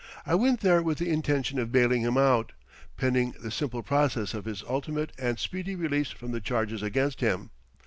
I went there with the intention of bailing him out, pending the simple process of his ultimate and speedy release from the charges against him.